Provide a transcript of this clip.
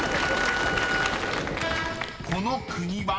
［この国は？］